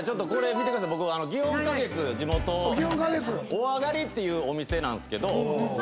おあがりっていうお店なんすけど。